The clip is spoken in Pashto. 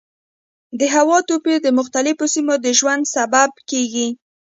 د هوا توپیر د مختلفو سیمو د ژوند سبب کېږي.